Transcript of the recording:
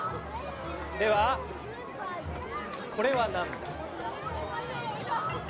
ではこれはなんだ？